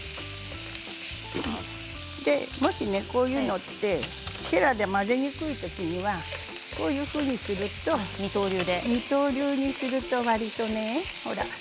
もし、こういうのってへらで混ぜにくい時にはこういうふうにすると二刀流にするとわりとね、ほら。